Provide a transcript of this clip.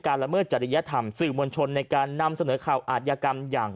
ละเมิดจริยธรรมสื่อมวลชนในการนำเสนอข่าวอาทยากรรมอย่าง